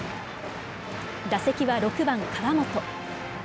打席は６番川元。